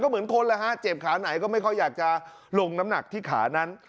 เหมือนคนแล้วฮะเจ็บขาไหนก็ไม่ค่อยอยากจะลงน้ำหนักที่ขานั้น